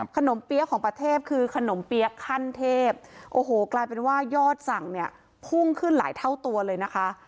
เปี๊ยะของประเทศคือขนมเปี๊ยะขั้นเทพโอ้โหกลายเป็นว่ายอดสั่งเนี่ยพุ่งขึ้นหลายเท่าตัวเลยนะคะ